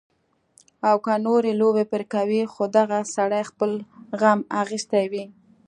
او کۀ نورې لوبې پرې کوي خو دغه سړے خپل غم اخستے وي